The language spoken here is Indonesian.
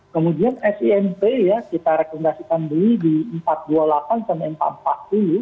kemudian simp ya kita rekomendasikan beli di empat ratus dua puluh delapan sampai empat ratus empat puluh